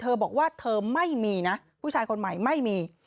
บอกว่าเธอไม่มีนะผู้ชายคนใหม่ไม่มี